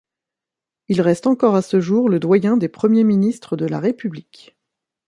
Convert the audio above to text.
Il reste encore à ce jour le doyen des Premiers ministres de la République.